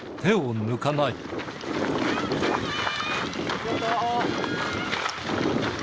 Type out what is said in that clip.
ありがとう。